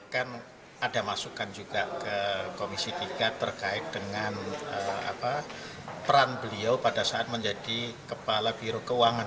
kan ada masukan juga ke komisi tiga terkait dengan peran beliau pada saat menjadi kepala biro keuangan